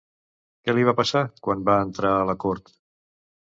Què li va passar quan va entrar a la cort?